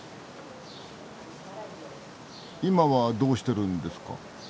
今はどうしてるんですか？